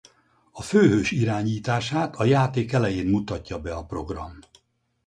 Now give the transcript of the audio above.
A főhős irányítását a játék elején mutatja be a program.